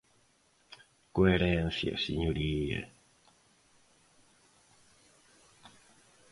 Coherencia, señoría.